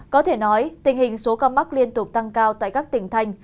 có thể nói tình hình số ca mắc liên tục tăng cao tại các tỉnh thành